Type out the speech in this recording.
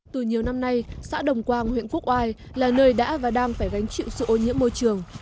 từ nhiều năm nay xã đồng quang huyện quốc oai là nơi đã và đang phải gánh chịu sự ô nhiễm môi trường